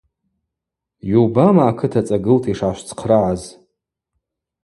Йубама акыт ацӏагылта йшгӏашвцхърагӏаз.